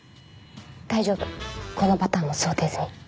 大丈夫このパターンも想定済み。